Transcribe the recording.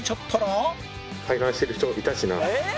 解散してる人いたしな。